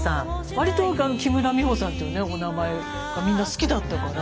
割と木村美穂さんっていうお名前がみんな好きだったから。